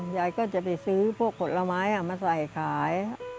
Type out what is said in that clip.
ยายก็จะไปซื้อพวกผลไม้มาใส่ขาย